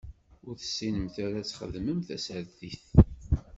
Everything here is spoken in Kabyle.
Ur tessinemt ara ad txedmemt tasertit.